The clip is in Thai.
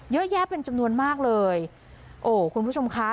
เยอะแยะเป็นจำนวนมากเลยโอ้คุณผู้ชมคะ